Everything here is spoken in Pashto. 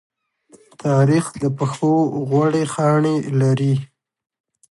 تاریخ د پښو غوړې خاڼې لري.